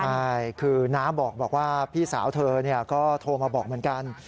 ใช่คือน้าบอกว่าพี่สาวเธอก็โทรมาบอกเหมือนกัน